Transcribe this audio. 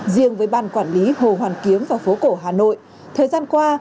riêng với ban quản lý hồ hoàn kiếm và phố cổ hà nội thời gian qua